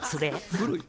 古い。